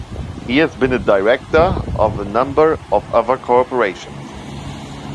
He has been a director of a number of other corporations.